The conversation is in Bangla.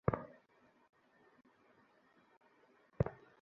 দু-কামরার একটা বাড়ি ভাড়া করেছে।